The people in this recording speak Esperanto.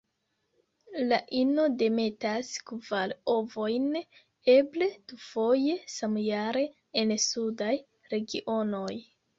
La ino demetas kvar ovojn; eble dufoje samjare en sudaj regionoj.